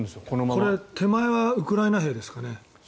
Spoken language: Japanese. これ、手前はウクライナ兵ですかね。